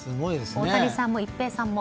大谷さんも一平さんも。